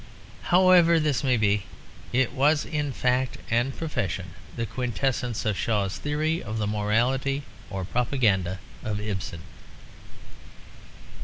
However this may be, it was in fact and profession the quintessence of Shaw's theory of the morality or propaganda of Ibsen.